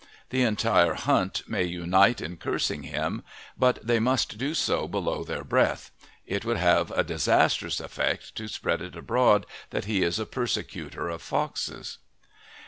The entire hunt may unite in cursing him, but they must do so below their breath; it would have a disastrous effect to spread it abroad that he is a persecutor of foxes.